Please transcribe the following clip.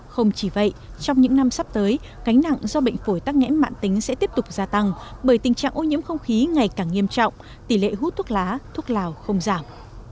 không chỉ vậy trong những năm sắp tới cánh nặng do bệnh phổi tắc nghẽn mạng tính sẽ tiếp tục gia tăng bởi tình trạng ô nhiễm không khí ngày càng nghiêm trọng tỷ lệ hút thuốc lá thuốc lào không giảm